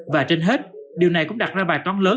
và trên hết điều này cũng đặt ra bài toán lớn